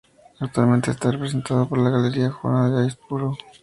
Actualmente está representado por la galería Juana de Aizpuru.